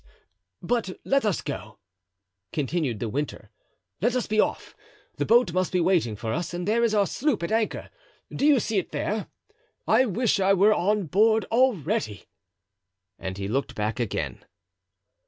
"But let us go," continued De Winter; "let us be off; the boat must be waiting for us and there is our sloop at anchor—do you see it there? I wish I were on board already," and he looked back again.